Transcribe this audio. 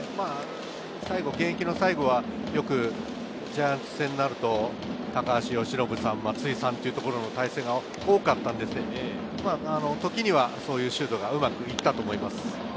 現役の最後は、よくジャイアンツ戦になると、高橋由伸さん、松井さんと対戦が多かったんですけれど、時にはそういうシュートがうまくいったと思います。